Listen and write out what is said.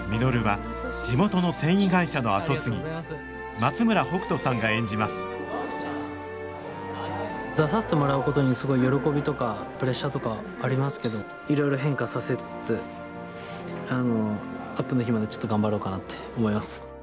松村北斗さんが演じます出させてもらうことにすごい喜びとかプレッシャーとかありますけどいろいろ変化させつつあのアップの日までちょっと頑張ろうかなって思います。